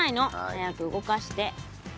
早く動かして。